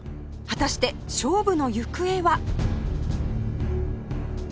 果たして勝負の行方は？